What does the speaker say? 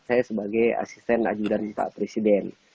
saya sebagai asisten ajudan pak presiden